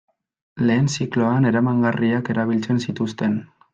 Lehen zikloan eramangarriak erabiltzen zituzten.